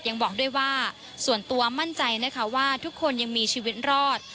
ยังบอกด้วยว่าส่วนตัวมั่นใจนะคะว่าทุกคนยังมีชีวิตรอด